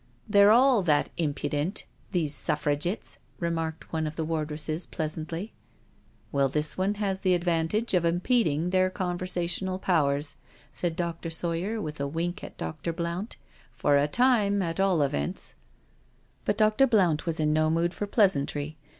" They're all that impudent, these Suffragitts," re marked one of the wardresses pleasantly. " Well, this has the advantage of impeding their conversational powers," said Dr. Sawyer, with a wink at Dr. Blount, " for a time, at all events." But Dr. Blount was in no mood for pleasantry.